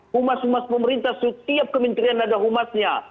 humas humas pemerintah setiap kementerian ada humasnya